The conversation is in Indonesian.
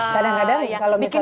kadang kadang kalau misalnya